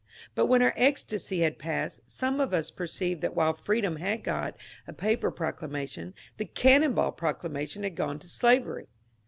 But when our ecstasy had passed, some of us perceived that while freedom had got a paper procla mation, the cannon ball proclamation had gone to slavery.